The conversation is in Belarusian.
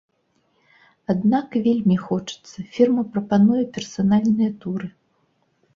Аднак, калі вельмі хочацца, фірма прапануе персанальныя туры.